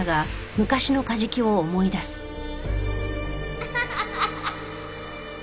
アハハハハ！